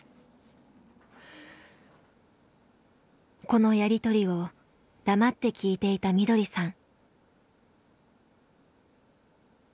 このやり取りを黙って聞いていたみどりさん。